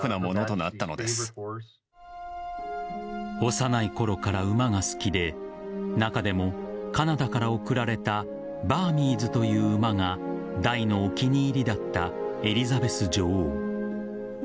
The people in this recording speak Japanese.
幼いころから馬が好きで中でもカナダから贈られたバーミーズという馬が大のお気に入りだったエリザベス女王。